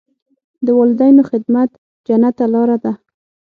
د والدینو خدمت جنت ته لاره ده.